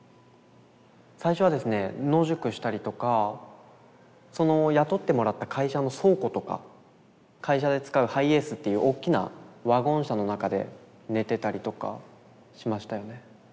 最初はですね野宿したりとか雇ってもらった会社の倉庫とか会社で使うハイエースっていうおっきなワゴン車の中で寝てたりとかしましたよね。